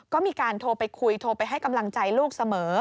ก็มีการโทรไปคุยโทรไปให้กำลังใจลูกเสมอ